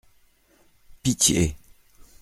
Pitié !